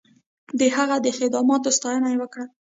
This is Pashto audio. د هغه د خدماتو ستاینه یې وکړه.